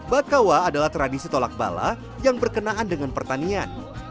bakawa adalah tradisi tolak bala yang berkenaan dengan pertanian